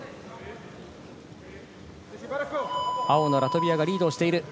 青のラトビアがリードしている。